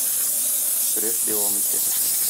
Көрәш дәвам итә.